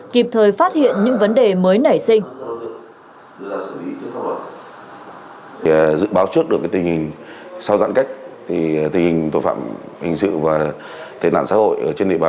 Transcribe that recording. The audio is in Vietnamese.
kịp thời phát hiện những vấn đề mới nảy sinh